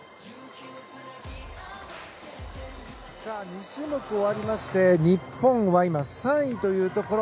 ２種目終わりまして日本は今３位というところ。